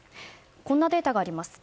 こんなデータがあります。